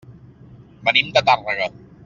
Venim de Tàrrega.